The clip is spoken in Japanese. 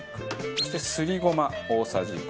そしてすりごま大さじ５。